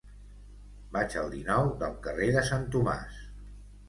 Vaig al dinou del carrer de Sant Tomàs.